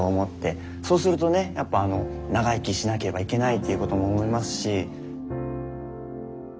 そうするとねやっぱ長生きしなければいけないっていうことも思いますし。